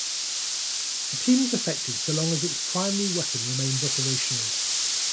A team is effective so long as its primary weapon remains operational.